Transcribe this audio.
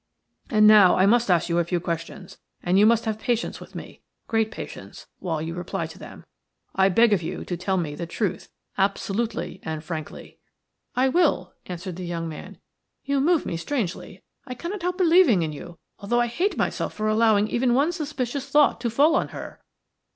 And now I must ask you a few questions, and you must have patience with me, great patience, while you reply to them. I beg of you to tell me the truth absolutely and frankly." "I will," answered the young man. "You move me strangely. I cannot help believing in you, although I hate myself for allowing even one suspicious thought to fall on her."